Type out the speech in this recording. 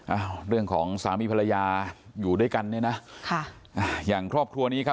อ้าวเรื่องของสามีภรรยาอยู่ด้วยกันเนี่ยนะค่ะอ่าอย่างครอบครัวนี้ครับ